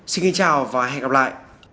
xin kính chào và hẹn gặp lại